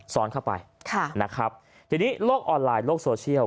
ซ้อนเข้าไปค่ะนะครับทีนี้โลกออนไลน์โลกโซเชียล